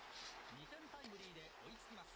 ２点タイムリーで追いつきます。